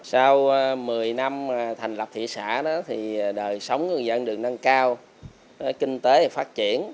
sau một mươi năm thành lập thị xã đời sống của người dân được nâng cao kinh tế được phát triển